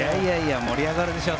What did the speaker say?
盛り上がるでしょう